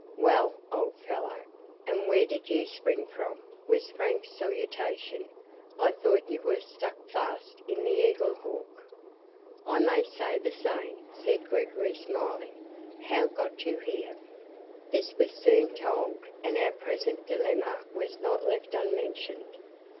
"Well, old fellow, and where did you spring from?" was Frank's salutation. "I thought you were stuck fast in the Eagle Hawk." "I may say the same," said Gregory, smiling. "How got you here?" This was soon told, and our present dilemma was not left unmentioned.